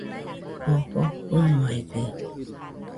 Jofo fɨnoaide